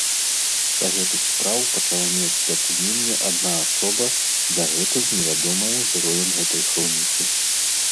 Да гэтых спраў пачала мець дачыненне адна асоба, дагэтуль невядомая героям гэтай хронікі.